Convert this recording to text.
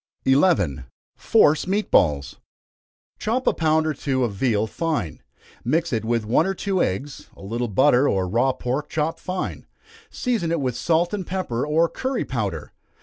11. Force Meat Balls. Chop a pound or two of veal fine mix it with one or two eggs, a little butter, or raw pork chopped fine season it with salt and pepper, or curry powder.